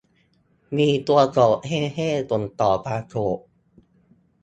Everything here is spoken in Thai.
มีตัวโกรธ เย้ เย้ ส่งต่อความโกรธ